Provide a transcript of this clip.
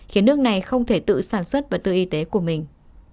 khiến nước này không thể tự sản xuất vật tư y tế của mình